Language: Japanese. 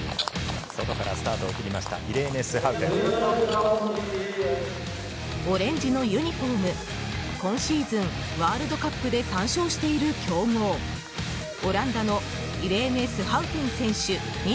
オレンジのユニホーム今シーズン、ワールドカップで３勝している強豪オランダのイレーネ・スハウテン選手